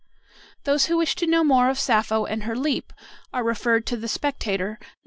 Those who wish to know more of Sappho and her "leap" are referred to the "Spectator," Nos.